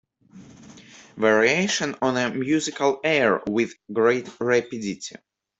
Variations on a musical air With great rapidity.